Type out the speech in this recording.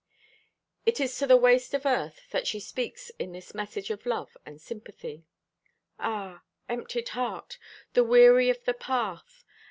It is to the waste of earth that she speaks in this message of love and sympathy: Ah, emptied heart! The weary o' the path!